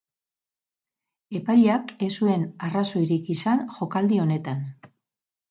Epaileak ez zuen arrazoirik izan jokaldi honetan.